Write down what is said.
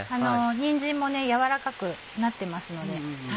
にんじんも軟らかくなってますので。